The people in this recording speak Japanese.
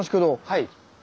はい。